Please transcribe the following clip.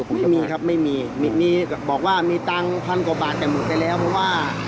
ผมไม่มีครับไม่มีมีบอกว่ามีตังค์พันกว่าบาทแต่หมดไปแล้วเพราะว่า